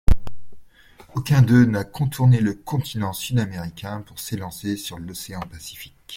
Aucun d'eux n'a contourné le continent sud-américain pour s'élancer sur l'Océan Pacifique.